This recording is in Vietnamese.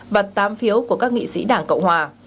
và tám phiếu của các nghị sĩ đảng cộng hòa